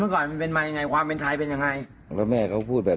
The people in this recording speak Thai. ก็ได้มันยังเคยตีกูแหละ